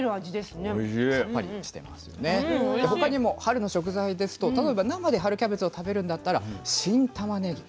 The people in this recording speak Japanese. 他にも春の食材ですと例えば生で春キャベツを食べるんだったら新たまねぎ。